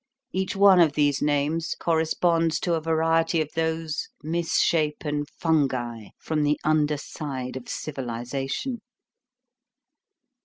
Each one of these names corresponds to a variety of those misshapen fungi from the under side of civilization.